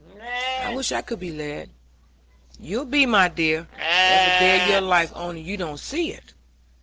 "I wish I could be led." "You be, my dear, every day of your life only you don't see it.